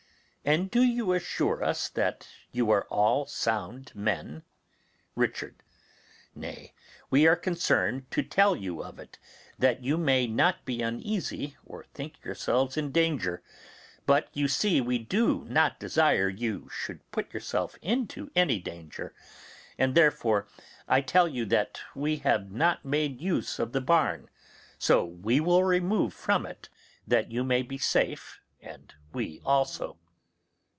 And do you assure us that you are all sound men? Richard. Nay, we are concerned to tell you of it, that you may not be uneasy or think yourselves in danger; but you see we do not desire you should put yourselves into any danger, and therefore I tell you that we have not made use of the barn, so we will remove from it, that you may be safe and we also.